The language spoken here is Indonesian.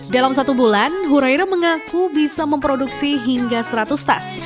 dalam satu bulan huraire mengaku bisa memproduksi hingga seratus tas